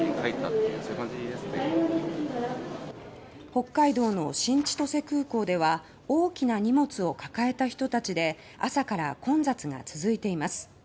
北海道の新千歳空港では大きな荷物を抱えた人たちで朝から混雑が続いています。